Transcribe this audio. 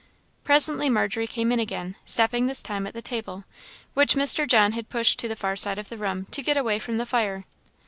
Presently Margery came in again, stopping this time at the table, which Mr. John had pushed to the far side of the room, to get away from the fire.